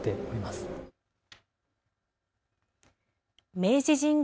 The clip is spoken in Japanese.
明治神宮